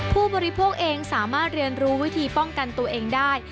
ผู้บริโภคเองสามารถเรียนรู้วิธีป้องกันตัวเองได้